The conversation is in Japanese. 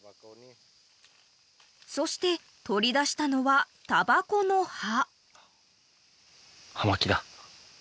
［そして取り出したのはタバコの葉］